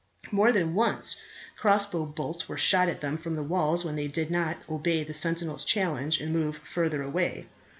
More than once cross bow bolts were shot at them from the walls when they did not obey the sentinel's challenge and move further away.